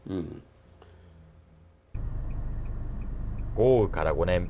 豪雨から５年。